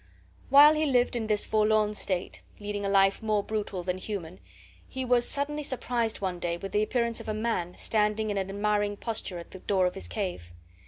While he lived in this forlorn state, leading a life more brutal than human, he was suddenly surprised one day with the appearance of a man standing in an admiring posture at the door of his cave.